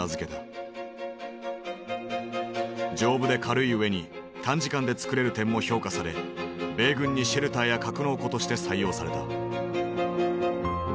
丈夫で軽いうえに短時間でつくれる点も評価され米軍にシェルターや格納庫として採用された。